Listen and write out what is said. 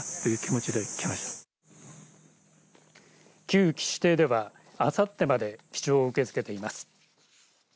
旧岸邸では、あさってまで記帳を受け付けています。